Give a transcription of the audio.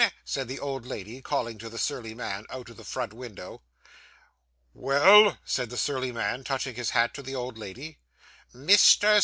said the old lady, calling to the surly man, out of the front window. 'Well?' said the surly man, touching his hat to the old lady. 'Mr.